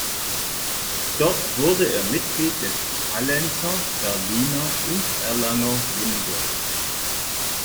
Dort wurde er Mitglied des Hallenser, Berliner und Erlanger Wingolf.